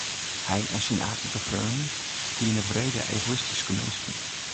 Hy en syn aadlike freonen wiene wrede egoïstyske minsken.